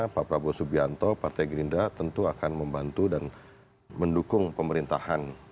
pak prabowo subianto partai gerindra tentu akan membantu dan mendukung pemerintahan